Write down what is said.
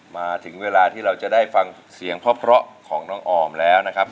มาถึงเวลาที่เราจะได้ฟังเสียงเพราะของน้องออมแล้วนะครับ